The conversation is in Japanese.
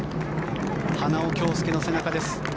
花尾恭輔の背中です。